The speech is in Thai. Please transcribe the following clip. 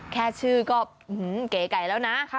แค่ชื่อก็เก๋ไก่แล้วนะ